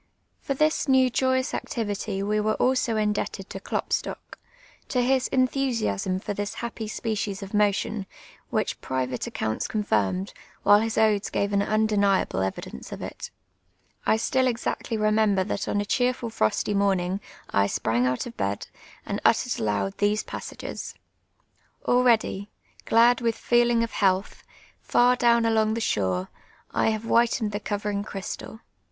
For this new joyous acti\'ity wo wore also indeljted to Klopstock, — to his entliusiaam for tliis ha|)})y s])ecies of mo tion, wliich private accounts confirmed, while his odes «:ave an inideniable evidence of it. I still exactly remend>er that on a cheerful frosty moniint^ I sprang out of bed, and uttered aloud these passages :— "Already, gl:ul with fcolinc; of health, Far down aloniif the shore, I have whitcn'd The coveriug crj stal.